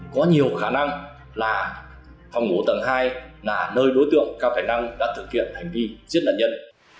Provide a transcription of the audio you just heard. có nhiều khả năng là phòng ngủ tầng hai là nơi đối tượng cao khả năng đã thực hiện hành vi giết nạn nhân